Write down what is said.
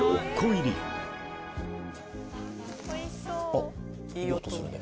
あっいい音するね。